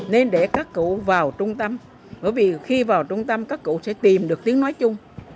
nên để các cụ vào trung tâm bởi vì khi vào trung tâm các cụ sẽ tìm được tiếng nói chung